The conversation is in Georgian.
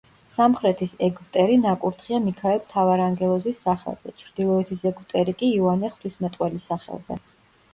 სამხრეთის ეგვტერი ნაკურთხია მიქაელ მთავარანგელოზის სახელზე, ჩრდილოეთის ეგვტერი კი იოანე ღვთისმეტყველის სახელზე.